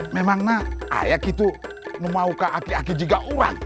memang nah ayak itu mau keaki aki juga orang